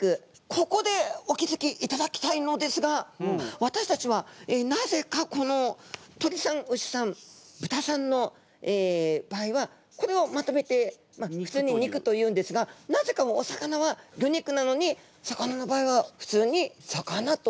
ここでお気付きいただきたいのですがわたしたちはなぜかこの鳥さん牛さん豚さんの場合はこれをまとめてふつうに肉と言うんですがなぜかお魚は魚肉なのに魚の場合はふつうに魚と言っちゃうわけですね。